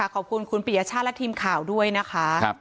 ขอบคุณคุณปิยชาติและทีมข่าวด้วยนะคะ